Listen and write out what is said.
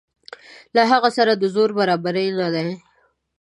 له هغه سره د ده زور برابر نه دی.